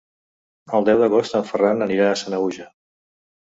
El deu d'agost en Ferran anirà a Sanaüja.